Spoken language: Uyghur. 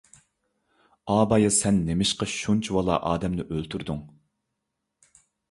ئابايا سەن نېمىشقا شۇنچىۋالا ئادەمنى ئۆلتۈردۈڭ؟